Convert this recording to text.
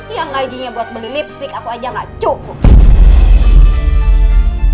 yang ngajinya buat beli lipstick aku aja gak cukup